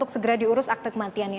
segera diurus akte kematiannya